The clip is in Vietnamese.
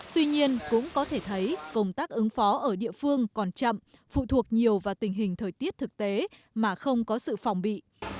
tuy nhiên cũng có thể thấy công tác ứng phó ở địa phương còn chậm phụ thuộc nhiều vào tình hình thời tiết thực tế mà không có sự phòng bị